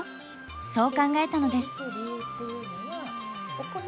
そう考えたのです。